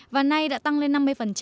và nay đã tăng lên năm mươi